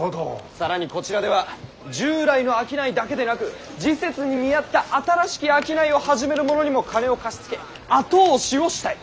更にこちらでは従来の商いだけでなく時節に見合った新しき商いを始める者にも金を貸し付け後押しをしたい。